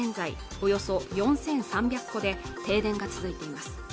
およそ４３００戸で停電が続いています